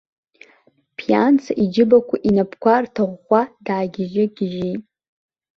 Ԥианца иџьыбақәа инапқәа рҭарӷәӷәа даагьежьы-гьежьит.